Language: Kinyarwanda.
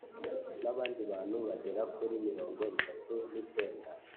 n’abandi bantu bagera kuri mirongo itatu n’ikenda